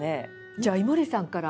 じゃあ井森さんから。